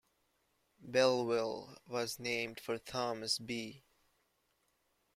Bellville was named for Thomas B.